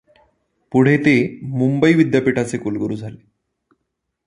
पुढे ते मुंबई विद्यापीठाचे कुलगुरू झाले.